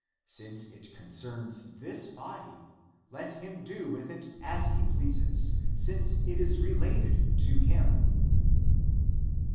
Since it concerns this body, let him do with it as he pleases, since it is related to him